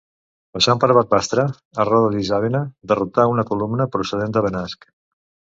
Passant per Barbastre, a Roda d'Isàvena derrotà una columna procedent de Benasc.